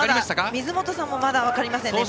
水本さんもまだ分かりません。